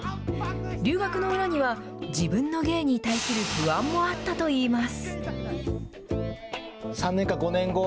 留学の裏には、自分の芸に対する不安もあったといいます。